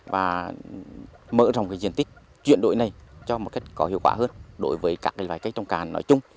và mở rộng diện tích chuyển đổi này cho một cách có hiệu quả hơn đối với các loài cây trồng cạn nói chung